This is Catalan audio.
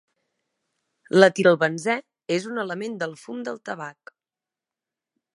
L'etilbenzè és un element del fum del tabac.